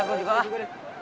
ya udah deh